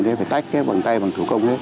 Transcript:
thì phải tách bằng tay bằng thủ công hết